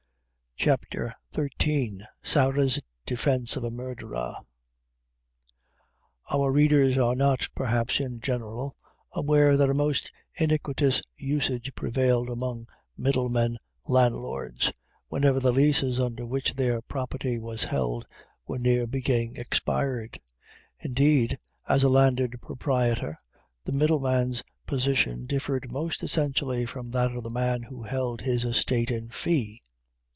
CHAPTER XIII. Sarah's Defence of a Murderer. Our readers are not, perhaps, in general, aware that a most iniquitous usage prevailed among Middlemen Landlords, whenever the leases under which their property was held were near being expired. Indeed, as a landed proprietor, the middleman's position differed most essentially from that of the man who held his estate in fee.